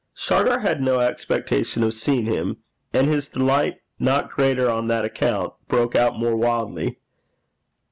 Shargar had no expectation of seeing him, and his delight, not greater on that account, broke out more wildly.